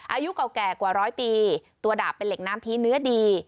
อายุเก่าแก่กว่าร้อยปีตัวดาบเป็นเหล็กน้ำผีเนื้อดี